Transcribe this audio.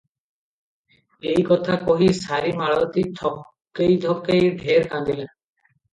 ଏଇ କଥା କହି ସାରି ମାଳତୀ ଧକେଇ ଧକେଇ ଢେର କାନ୍ଦିଲା ।